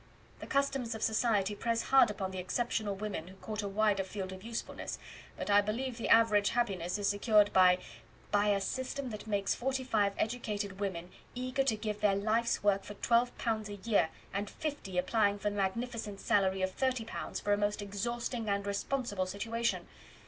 The customs of society press hard upon the exceptional women who court a wider field of usefulness, but I believe the average happiness is secured by " "By a system that makes forty five educated women eager to give their life's work for 12 pounds a year, and fifty applying for the magnificent salary of 30 pounds for a most exhausting and responsible situation.